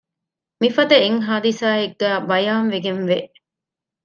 މިފަދަ އެއް ޙާދިޘާއެއްގައި ބަޔާންވެގެންވެ